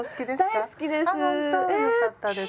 大好きです！